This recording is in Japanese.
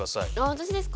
私ですか？